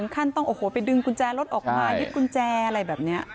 ขั้นต้องโอ้โหไปดึงกุญแจรถออกมายึดกุญแจอะไรแบบนี้